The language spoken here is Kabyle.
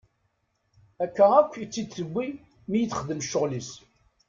Akka akk i tt-id-tewwi mi i txeddem ccɣel-is.